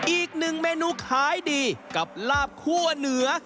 อีกหนึ่งเมนูขายดีกับลาบคั่วเหนือ